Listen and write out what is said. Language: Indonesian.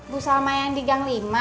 bu salma yang di gang lima